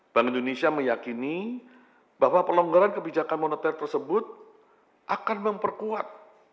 bank indonesia meyakini bahwa pelonggaran kebijakan moneter tersebut akan memperkuat